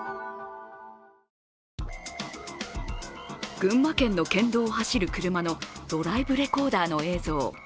群馬県の県道を走る車のドライブレコーダーの映像。